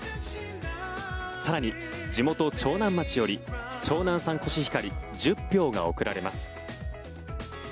更に、地元・長南町より長南産コシヒカリ１０俵が贈られます。